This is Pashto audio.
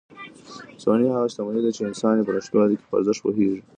ځواني هغه شتمني ده چې انسان یې په نشتوالي کې په ارزښت پوهېږي.